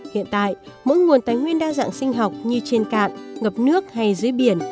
hiện tại mỗi nguồn tái nguyên đa dạng sinh học như trên cạn ngập nước hay dưới biển